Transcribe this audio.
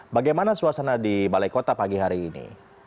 bagaimana suasana di balai kota pagi hari ini